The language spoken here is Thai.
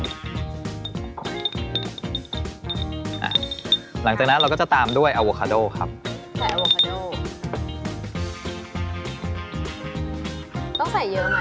อ่าหลังจากนั้นเราก็จะตามด้วยครับใส่